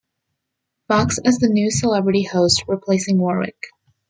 Fox as the new celebrity host, replacing Warwick.